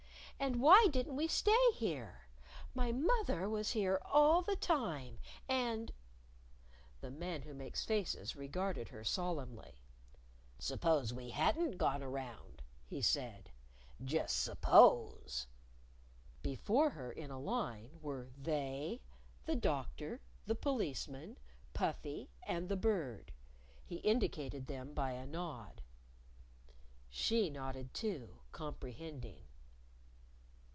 And why didn't we stay here? My moth er was here all the time. And " The Man Who Makes Faces regarded her solemnly. "Suppose we hadn't gone around," he said. "Just suppose." Before her, in a line, were They, the Doctor, the Policeman, Puffy and the Bird. He indicated them by a nod. She nodded too, comprehending.